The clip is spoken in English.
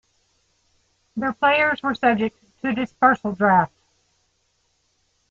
Their players were subject to a dispersal draft.